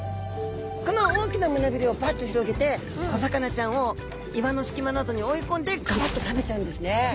この大きな胸びれをばっと広げて小魚ちゃんを岩の隙間などに追い込んでガバッと食べちゃうんですね。